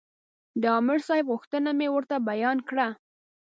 د عامر صاحب غوښتنه مې ورته بیان کړه.